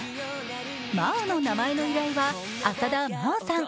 「まお」の名前の由来は、浅田真央さん。